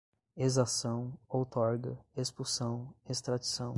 exação, outorga, expulsão, extradição